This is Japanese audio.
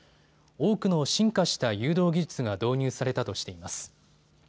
多くの進化した誘導技術が導入されたとしています。